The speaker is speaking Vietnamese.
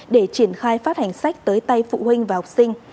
để triển khai phát hành sách tới tay phụ huynh và học sinh